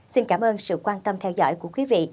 xin cảm ơn sự quan tâm theo dõi của quý vị